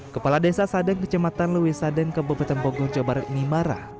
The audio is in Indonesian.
kepala desa sadeng kecamatan lewisadeng kabupaten bogor jawa barat ini marah